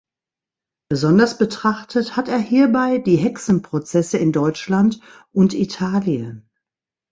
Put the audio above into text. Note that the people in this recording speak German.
Besonders betrachtet hat er hierbei die Hexenprozesse in Deutschland und Italien.